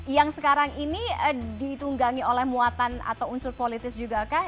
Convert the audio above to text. yang sekarang ini ditunggangi oleh muatan atau unsur politis juga kah